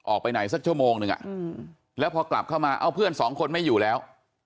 ออกไปไหนสักชั่วโมงนึงแล้วพอกลับเข้ามาเอ้าเพื่อนสองคนไม่อยู่แล้ว